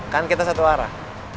kan kita satu arah